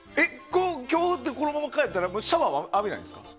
今日、このまま帰ったらシャワー浴びないんですか？